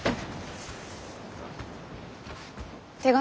手紙？